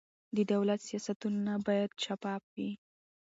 د دولت سیاستونه باید شفاف وي